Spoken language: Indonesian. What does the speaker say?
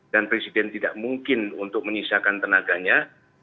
dan presiden tidak mungkin untuk menyisakan tenaganya